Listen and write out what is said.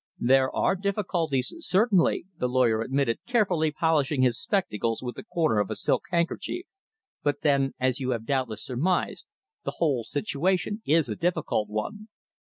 "There are difficulties, certainly," the lawyer admitted, carefully polishing his spectacles with the corner of a silk handkerchief; "but, then, as you have doubtless surmised, the whole situation is a difficult one."